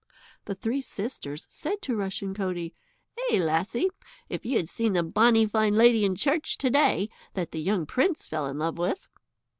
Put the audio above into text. The three sisters said to Rushen Coatie: "Eh, lassie, if you had seen the bonny fine lady in church to day, that the young prince fell in love with!"